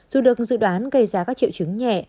dù được dự đoán gây ra các triệu chứng nhẹ